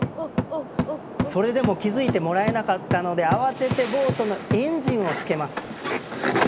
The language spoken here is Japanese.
それでも気付いてもらえなかったので慌ててボートのエンジンをつけます。